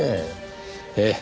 ええ。